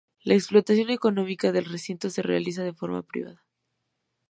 La explotación económica del recinto se realiza de forma privada.